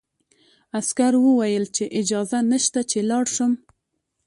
عسکر وویل چې اجازه نشته چې لاړ شم.